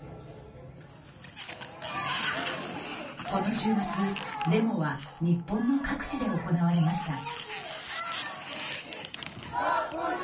この週末、デモは日本の各地で行われました。